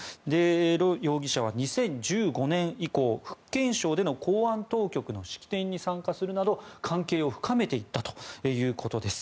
ロ容疑者は２０１４年以降福建省の公安当局の式典に参加するなど関係を深めていったということです。